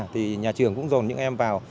thì nhà trường cũng dồn những em vào